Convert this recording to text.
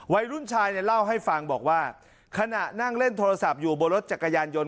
วัยรุ่นชายเนี่ยเล่าให้ฟังบอกว่าขณะนั่งเล่นโทรศัพท์อยู่บนรถจักรยานยนต